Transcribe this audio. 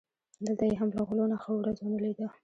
دلته یې هم له غلو نه ښه ورځ و نه لیده.